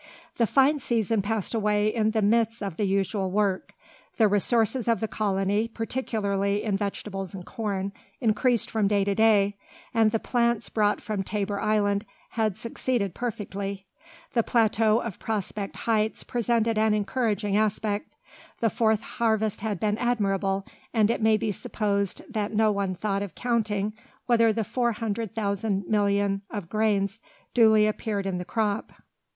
The fine season passed away in the midst of the usual work. The resources of the colony, particularly in vegetables and corn, increased from day to day; and the plants brought from Tabor Island had succeeded perfectly. [Illustration: THE ENGINEER AT WORK] The plateau of Prospect Heights presented an encouraging aspect. The fourth harvest had been admirable, and it may be supposed that no one thought of counting whether the four hundred thousand millions of grains duly appeared in the crop.